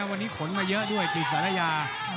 วันนี้ขนมาเยอะด้วยติดศาลายา